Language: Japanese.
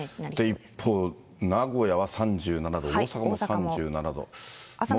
で一方、名古屋は３７度、大阪も３７度。